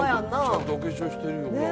ちゃんとお化粧してるよほら。